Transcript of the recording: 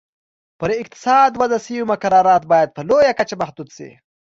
پر اقتصاد وضع شوي مقررات باید په لویه کچه محدود شي.